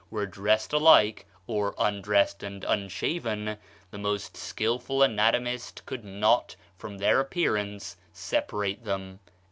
were dressed alike, or undressed and unshaven, the most skilful anatomist could not, from their appearance, separate them."